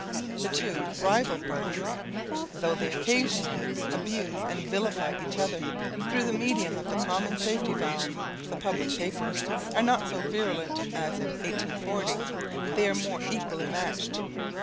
The two rival parties, though they occasionally abuse and vilify each other, through the medium of the common safety valve the public papers are not so virulent as in 1840. They are more equally matched.